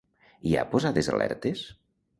Hi ha posades alertes?